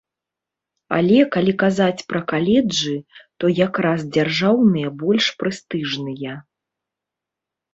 Але калі казаць пра каледжы, то якраз дзяржаўныя больш прэстыжныя.